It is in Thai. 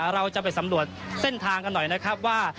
เราจะไปสำรวจเส้นทางกันหน่อยนะครับว่า